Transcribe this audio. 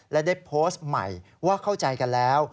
และได้โพสต์ใหม่ว่าเข้าใจกันแล้ว